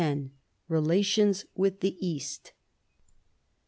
KELATIONS WITH THE EAST.